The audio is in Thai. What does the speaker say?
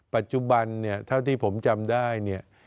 ปัจจุบันเนี่ยเท่าที่ผมจำได้เนี่ย